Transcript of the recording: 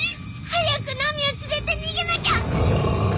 早くナミを連れて逃げなきゃ！